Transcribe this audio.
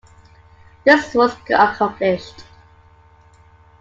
This was accomplished.